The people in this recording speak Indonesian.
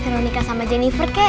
kita mau nikah sama jennifer kek